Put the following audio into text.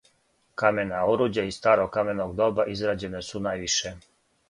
Камена оруђа из старог каменог доба израђена су највише